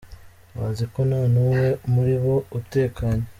Bazi ko nta n’umwe muri bo utekanye.”